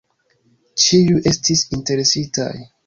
Ĉiuj estis interesitaj.